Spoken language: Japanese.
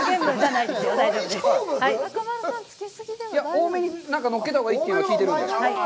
多めにのっけたほうがいいって聞いてるので。